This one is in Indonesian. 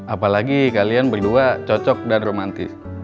apalagi kalian berdua cocok dan romantis